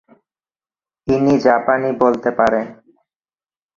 ইনি জাপানি বলতে পারেন।